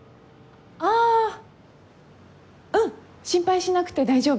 あぁうん心配しなくて大丈夫。